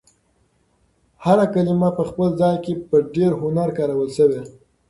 هر کلمه په خپل ځای کې په ډېر هنر کارول شوې.